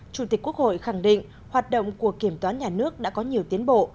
chủ tịch quốc hội khẳng định hoạt động của kiểm toán nhà nước đã có nhiều tiến bộ